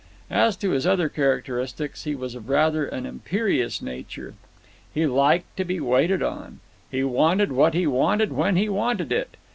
As to his other characteristics, he was of rather an imperious nature. He liked to be waited on. He wanted what he wanted when he wanted it.